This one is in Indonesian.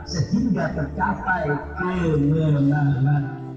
sehingga tercapai kemenangan